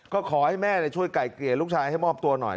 ก็ขอให้แม่ช่วยไก่เกลี่ยลูกชายให้มอบตัวหน่อย